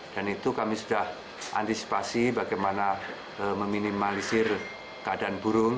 dan itu kami sudah antisipasi bagaimana meminimalisir keadaan burung